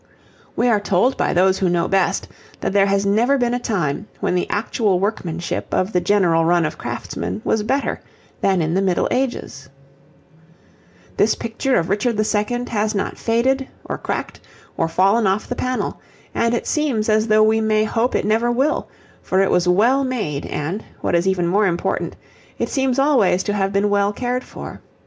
We are told by those who know best that there has never been a time when the actual workmanship of the general run of craftsmen was better than in the Middle Ages. This picture of Richard II. has not faded or cracked or fallen off the panel, and it seems as though we may hope it never will, for it was well made and, what is even more important, it seems always to have been well cared for.